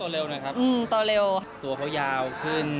แรกตั้งแต่